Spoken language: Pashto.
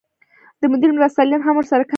د مدیر مرستیالان هم ورسره کار کوي.